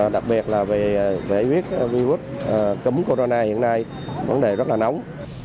đặc biệt là về vệ huyết virus cấm corona hiện nay vấn đề rất là nóng